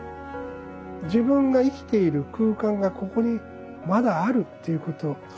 自分が生きている空間がここにまだあるっていうこと。